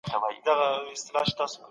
ایا تخنیکي پرمختګ مهم دی؟